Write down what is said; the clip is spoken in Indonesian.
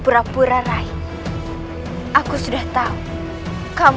sebenarnya karena anda